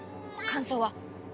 感想は。